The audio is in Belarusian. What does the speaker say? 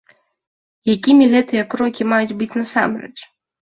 Якімі гэтыя крокі маюць быць насамрэч?